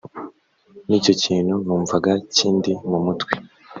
n’icyo kintu numvaga kindi mu mutwe